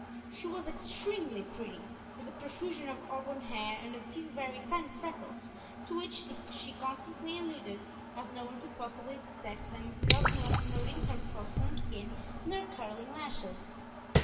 She was extremely pretty, with a profusion of auburn hair, and a few very tiny freckles, to which she constantly alluded, as no one could possibly detect them without noting her porcelain skin and her curling lashes.